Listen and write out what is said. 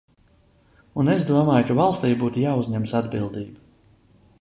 Un es domāju, ka valstij būtu jāuzņemas atbildība.